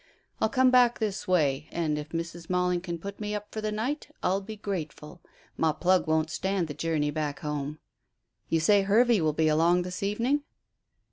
I'll come back this way, and if Mrs Malling can put me up for the night, I'll be grateful. My 'plug' won't stand the journey back home. You say Hervey will be along this evening?"